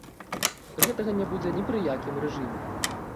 Гэтага не будзе не пры якім рэжыме.